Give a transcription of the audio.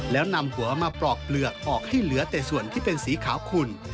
แล้วนำหัวมาปลอกเปลือกออกให้เหลือแต่ส่วนที่เป็นสีขาวขุ่น